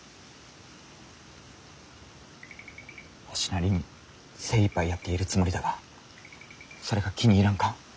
わしなりに精いっぱいやっているつもりだがそれが気に入らんか。